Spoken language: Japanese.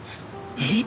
えっ？